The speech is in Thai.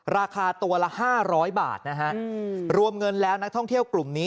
ราคาตัวละห้าร้อยบาทนะฮะรวมเงินแล้วนักท่องเที่ยวกลุ่มนี้